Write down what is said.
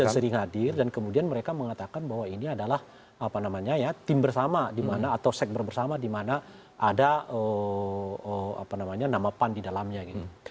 dan sering hadir dan kemudian mereka mengatakan bahwa ini adalah apa namanya ya tim bersama dimana atau segmen bersama dimana ada apa namanya nama pan didalamnya gitu